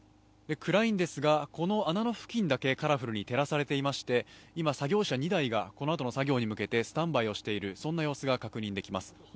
暗いんですが、この穴の付近だけカラフルに照らされていまして、今、作業車２台が、このあとの作業に向けてスタンバイしているそんな様子が確認できます。